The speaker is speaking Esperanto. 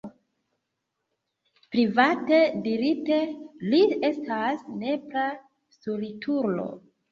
Private dirite, li estas nepra stultulo.